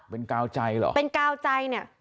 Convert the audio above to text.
เป็นกาวใจเหรอเป็นกาวใจเนี่ย